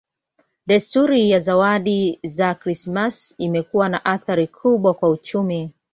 Desturi ya zawadi za Krismasi imekuwa na athari kubwa kwa uchumi.